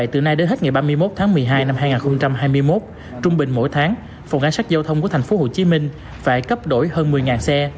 trung bình mỗi tháng phòng án sát giao thông của thành phố hồ chí minh phải cấp đổi hơn một mươi xe